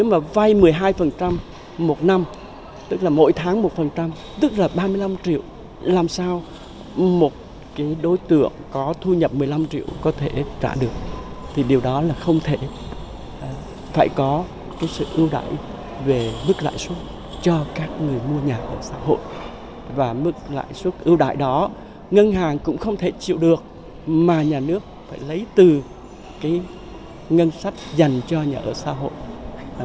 mức lãi vai ưu đái cho người mua nhà ở xã hội từ gói ưu đái bảy năm một năm là phù hợp lý